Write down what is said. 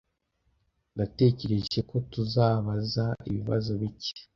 Natekereje ko tuzabaza ibibazo bike.